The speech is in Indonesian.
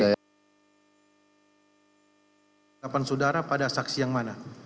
harapan saudara pada saksi yang mana